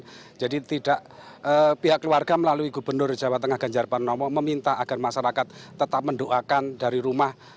tidak pihak keluarga melalui gubernur jawa tengah ganjar panomo meminta agar masyarakat tetap mendoakan dari rumah